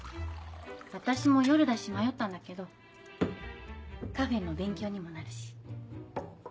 私も夜だし迷ったんだけどカフェの勉強にもなるし。